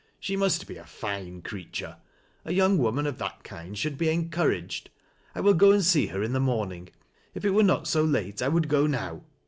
She must be a fine creature. A young woman oi that kind should be encouraged. I will gc and see her ii. the morning — if it were not so late I would go now.